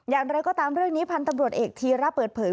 อย่างไรก็ตามเรื่องนี้พันธุ์ตำรวจเอกธีระเปิดเผย